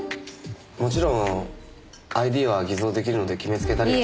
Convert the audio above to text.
もちろんＩＤは偽造出来るので決めつけたりは。